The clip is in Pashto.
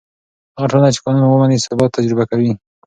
هغه ټولنه چې قانون ومني، ثبات تجربه کوي.